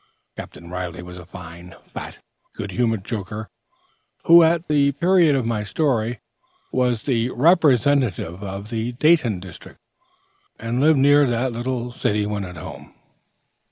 Captain Riley was a fine, fat, good humored joker, who at the period of my story was the representative of the Dayton district, and lived near that little city when at home.